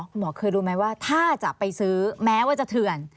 คุณหมอเคยรู้ไหมว่าถ้าจะไปซื้อแม้ว่าจะเถื่อน